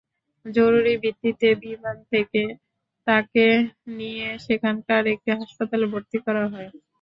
জরুরি ভিত্তিতে বিমান থেকে তাঁকে নিয়ে সেখানকার একটি হাসপাতালে ভর্তি করা হয়।